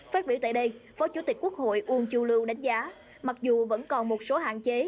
phát biểu tại đây phó chủ tịch quốc hội uông chu lưu đánh giá mặc dù vẫn còn một số hạn chế